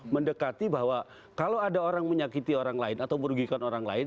mendekati bahwa kalau ada orang menyakiti orang lain atau merugikan orang lain